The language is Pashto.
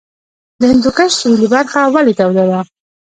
د هندوکش سویلي برخه ولې توده ده؟